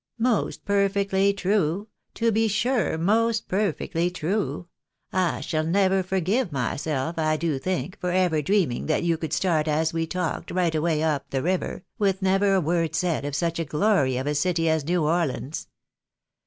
"Most perfectly true! to be sure, most perfectly true! I shall never forgive myself, I do think, for ever dreaming that you could start as we talked, right away up the river, with never a word said of such a glory of a city as New Orleans